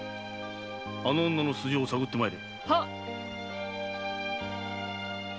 あの女の素性を探って参れ。